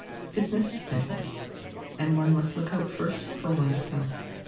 Business is business, and one must look out first for one's self.